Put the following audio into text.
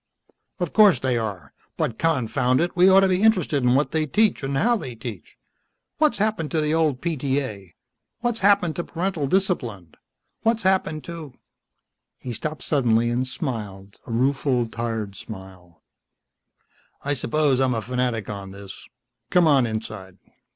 "Of course they are. But confound it, we ought to be interested in what they teach and how they teach. What's happened to the old PTA? What's happened to parental discipline, what's happened to " He stopped suddenly and smiled, a rueful tired smile. "I suppose I'm a fanatic on this. Come on inside."